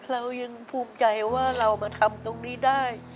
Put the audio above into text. เรายังภูมิใจว่าเรามาทำตรงนี้ได้